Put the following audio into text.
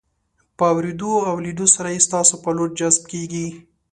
په اورېدو او لیدو سره یې ستاسو په لور جذب کیږي.